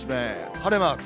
晴れマーク。